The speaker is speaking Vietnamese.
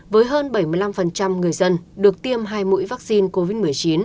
với hơn bảy mươi năm người dân được tiêm hai mũi vaccine covid một mươi chín